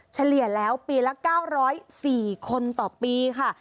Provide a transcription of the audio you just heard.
เฉลี่ยแล้วปีละ๙๐๔คนต่อปีค่ะ